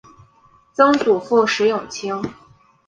曾祖父石永清。